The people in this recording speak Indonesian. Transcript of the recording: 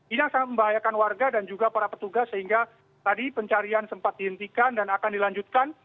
ini yang sangat membahayakan warga dan juga para petugas sehingga tadi pencarian sempat dihentikan dan akan dilanjutkan